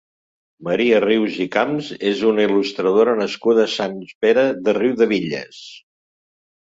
Maria Rius i Camps és una il·lustradora nascuda a Sant Pere de Riudebitlles.